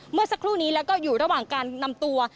เมื่อสักครู่นี้แล้วก็อยู่ระหว่างการนำตัว